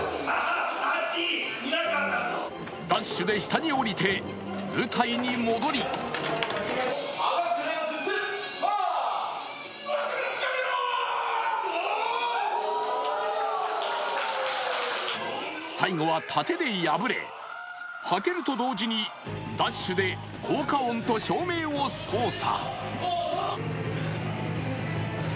ダッシュで下に降りて舞台に戻り最後は殺陣で敗れはけると同時にダッシュで効果音と照明を操作。